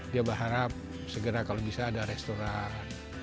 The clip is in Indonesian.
dia berharap segera kalau bisa ada restoran